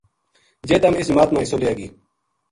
جے تم اس جماعت ما حِصو لیے گی